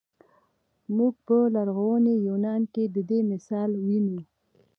موږ په لرغوني یونان کې د دې مثال وینو.